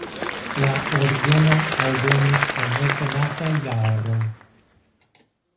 La orgeno alvenis en nekonata jaro.